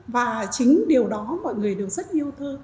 và chính điều đó mọi người đều rất yêu thơ